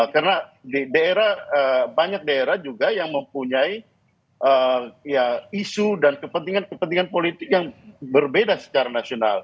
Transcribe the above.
karena banyak daerah juga yang mempunyai isu dan kepentingan kepentingan politik yang berbeda secara nasional